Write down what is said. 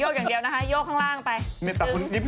อย่างเดียวนะคะโยกข้างล่างไป